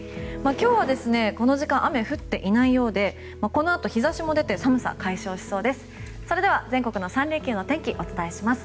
今日はこの時間雨は降っていないようでこのあと日差しも出て寒さは回復しそうです。